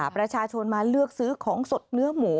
ประชาชนมาเลือกซื้อของสดเนื้อหมู